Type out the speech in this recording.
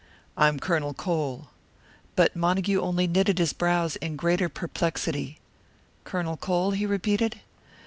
"I am Colonel Cole." But Montague only knitted his brows in greater perplexity. "Colonel Cole?" he repeated.